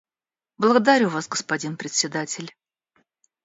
Благодарю Вас, господин Председатель.